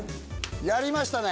やりましたね。